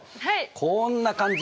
こんな感じ。